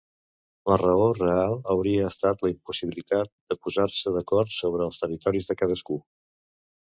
La raó real hauria estat la impossibilitat de posar-se d'acord sobre els territoris de cadascú.